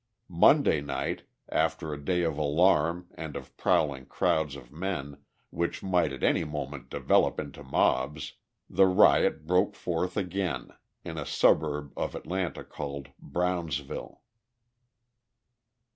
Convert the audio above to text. Monday night, after a day of alarm and of prowling crowds of men, which might at any moment develop into mobs, the riot broke forth again in a suburb of Atlanta called Brownsville.